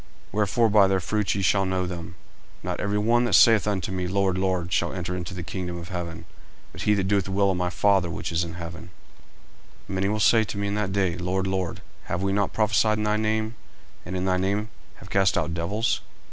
40:007:020 Wherefore by their fruits ye shall know them. 40:007:021 Not every one that saith unto me, Lord, Lord, shall enter into the kingdom of heaven; but he that doeth the will of my Father which is in heaven. 40:007:022 Many will say to me in that day, Lord, Lord, have we not prophesied in thy name? and in thy name have cast out devils?